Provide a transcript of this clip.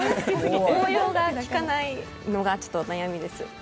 応用がきかないのがちょっと悩みです。